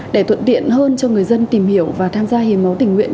để thuận tiện hơn cho người dân tìm hiểu và tham gia hiến máu tình nguyện